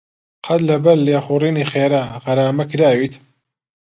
قەت لەبەر لێخوڕینی خێرا غەرامە کراویت؟